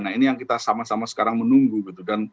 nah ini yang kita sama sama sekarang menunggu gitu